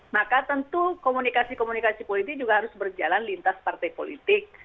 maka tentu komunikasi komunikasi politik juga harus berjalan lintas partai politik